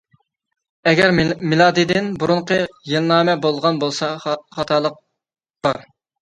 ئەگەر مىلادىدىن بۇرۇنقى يىلنامە بولغان بولسا خاتالىق بار.